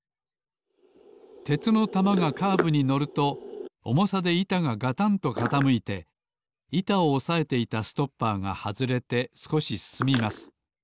鉄の玉がカーブにのるとおもさでいたががたんとかたむいていたをおさえていたストッパーがはずれてすこしすすみます。